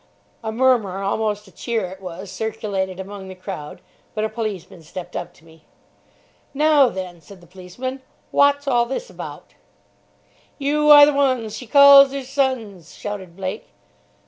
A murmur, almost a cheer it was, circulated among the crowd. But a policeman stepped up to me. "Now then," said the policeman, "wot's all this about?" Yew are the wuns She calls 'er sons— shouted Blake.